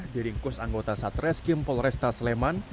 diringkus anggota satres kim polresta sleman